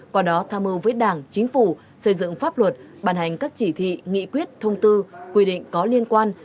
qua đó tham mưu với đảng chính phủ xây dựng pháp luật bàn hành các chỉ thị nghị quyết thông tư quy định có liên quan